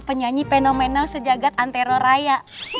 penyanyi fenomenal sejagat antero raya